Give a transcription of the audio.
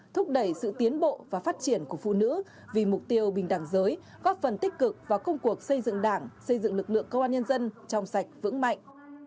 thúc đẩy sự tiến bộ và phát triển của phụ nữ vì mục tiêu bình đẳng giới góp phần tích cực vào công cuộc xây dựng đảng xây dựng lực lượng công an nhân dân trong sạch vững mạnh